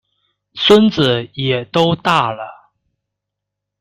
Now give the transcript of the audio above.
孙子也都大了